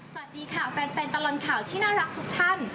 สวัสดีค่ะแฟนตลอดข่าวที่น่ารักทุกท่าน